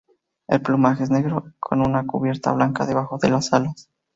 El plumaje es negro, con una cubierta blanca debajo de las alas.